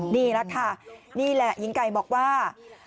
นี่แหละค่ะนี่แหละหญิงไก่บอกว่า